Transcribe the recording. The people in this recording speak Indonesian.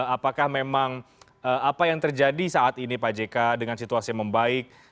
apakah memang apa yang terjadi saat ini pak jk dengan situasi membaik